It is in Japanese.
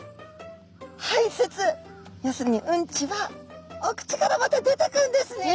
はいせつ要するにうんちはお口からまた出てくるんですね。